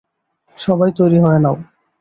সবাই তৈরি হয়ে নাও।